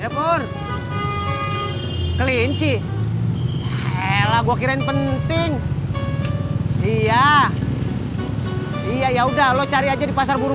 ya pur kelinci eh lah gua kirain penting iya iya ya udah lo cari aja di pasar burung